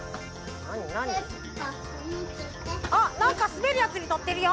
あなんかすべるやつにのってるよ。